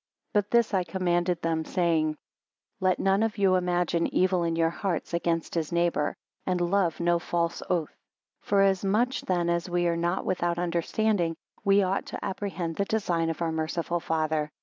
10 But this I commanded them, saying, Let none of you imagine evil in your hearts against his neighbour, and love no false oath. 11 Forasmuch then as we are not without understanding, we ought to apprehend the design of our merciful Father.